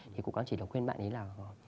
thì cũng có chỉ là khuyên bạn ấy là